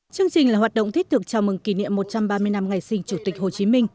chương trình là hoạt động thiết thực chào mừng kỷ niệm một trăm ba mươi năm ngày sinh chủ tịch hồ chí minh